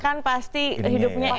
kan pasti hidupnya enak